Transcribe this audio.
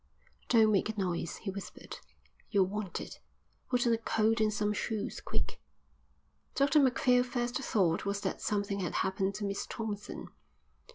"Don't make a noise," he whispered. "You're wanted. Put on a coat and some shoes. Quick." Dr Macphail's first thought was that something had happened to Miss Thompson.